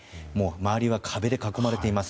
周りは壁で囲まれています。